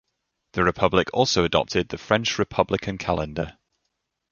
The republic also adopted the French Republican Calendar.